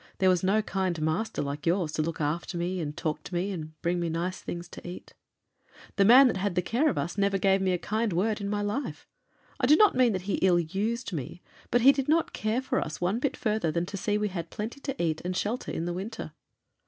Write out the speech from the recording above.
There was no kind master like yours to look after me, and talk to me, and bring me nice things to eat. The man that had the care of us never gave me a kind word in my life. I do not mean that he ill used me, but he did not care for us one bit further than to see that we had plenty to eat, and shelter in the winter.